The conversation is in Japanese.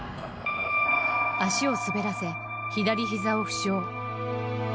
足を滑らせ、左ひざを負傷。